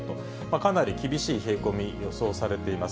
かなり厳しい冷え込み予想されています。